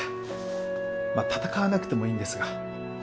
まあ戦わなくてもいいんですが。